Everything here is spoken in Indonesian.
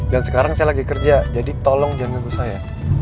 dan sekarang saya lagi kerja jadi tolong jangan ngegos saya